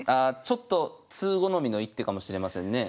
ちょっと通好みの一手かもしれませんね。